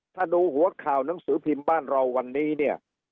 ถ้าดูหัวข่าวหนังสือพิมพ์บ้านเราวันนี้เนี่ย